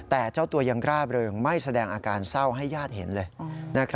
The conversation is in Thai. แต่เจ้าตัวยังร่าเริงไม่แสดงอาการเศร้าให้ญาติเห็นเลย